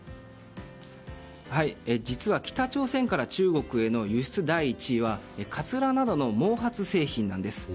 実は北朝鮮から中国への輸出第１位はかつらなどの毛髪製品なんです。